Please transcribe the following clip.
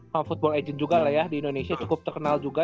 kalau football agent juga lah ya di indonesia cukup terkenal juga